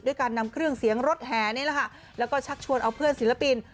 ด้วยการนำเครื่องเสียงรถแหนและชักชวนเอาเพื่อนศิลปิน